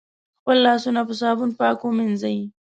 خپل لاسونه په صابون پاک ومېنځی